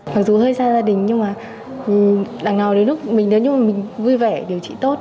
mặc dù hơi xa gia đình nhưng đằng nào đến lúc mình vui vẻ điều trị tốt